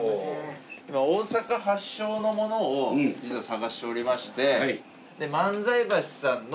今大阪発祥のものを実は探しておりまして。